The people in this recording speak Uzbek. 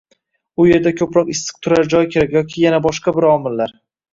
U yerda koʻproq issiq turar joy kerak yoki yana boshqa bir omillar.